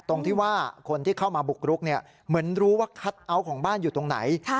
ตรงที่ว่าคนที่เข้ามาบุกรุกเหมือนรู้ว่าคัทเอาท์ของบ้านอยู่ตรงไหน